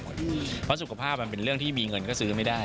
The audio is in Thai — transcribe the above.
เพราะสุขภาพมันเป็นเรื่องที่มีเงินก็ซื้อไม่ได้